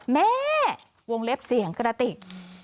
แม่วงเล็บเสียงกระติก